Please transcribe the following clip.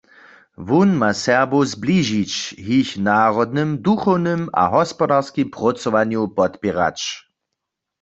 Wón ma Serbow zbližić, jich w narodnym, duchownym a hospodarskim prócowanju podpěrać.